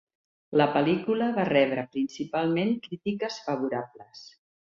La pel·lícula va rebre principalment crítiques favorables.